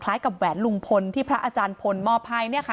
คล้ายกับแหวนลุงพลที่พระอาจารย์พนมภเนี่ยค่ะ